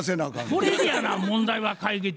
これでやな問題は解決や。